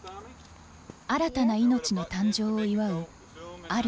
新たな命の誕生を祝うある